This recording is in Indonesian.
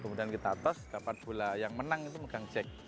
kemudian kita tos dapat bola yang menang itu megang jack